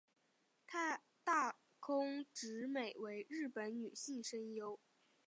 大空直美为日本女性声优。